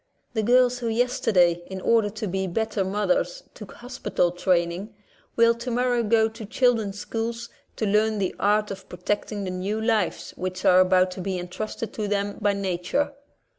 The girls who yesterday, in order to be better mothers, took hospital training, will tomorrow go to children's schools to learn the art of protecting the new lives which are about to be entrusted to them by nature.